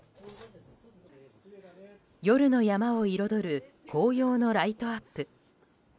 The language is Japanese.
夜の山を彩る紅葉のライトアップ。